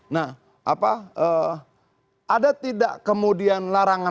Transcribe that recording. nah apa ada tidak kemudian larangan